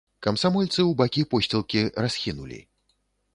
Камсамольцы ў бакі посцілкі расхінулі.